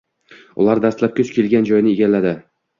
Ular dastlab duch kelgan joyni egalladi.